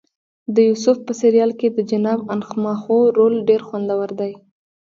د یوسف په سریال کې د جناب انخماخو رول ډېر خوندور دی.